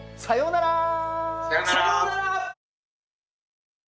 さようなら。